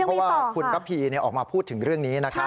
เพราะว่าคุณระพีออกมาพูดถึงเรื่องนี้นะครับ